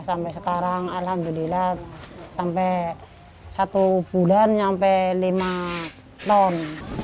sampai sekarang alhamdulillah sampai satu bulan sampai lima ton